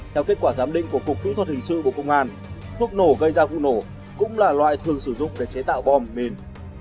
theo kết quả giám định của cục kỹ thuật hình sự bộ công an thuốc nổ gây ra vụ nổ cũng là loại thường sử dụng để chế tạo bom mìn